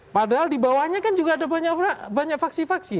padahal di bawahnya kan juga ada banyak faksi faksi